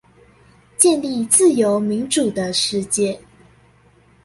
建立自由民主的世界